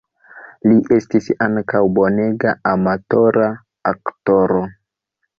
Li estis ankaŭ bonega amatora aktoro.